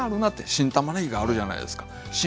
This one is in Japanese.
新ごぼうがあるじゃないですか。